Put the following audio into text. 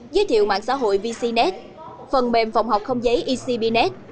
giới thiệu mạng xã hội vcnet phần mềm phòng học không giấy ecbnet